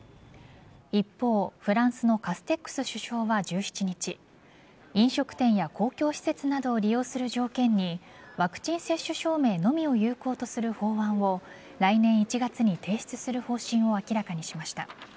一方、フランスのカステックス首相は１７日飲食店や公共施設などを利用する条件にワクチン接種証明のみを有効とする法案を来年１月に提出する方針を明らかにしました。